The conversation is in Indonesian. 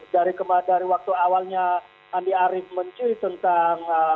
jadi dari waktu awalnya andi arief mencuri tentang